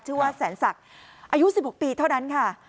ว่าแสนศักดิ์อายุ๑๖ปีเท่านั้นค่ะ